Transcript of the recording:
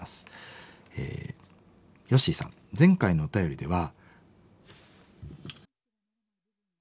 前回のお便りでは。